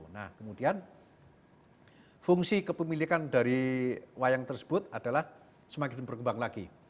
nah kemudian fungsi kepemilikan dari wayang tersebut adalah semakin berkembang lagi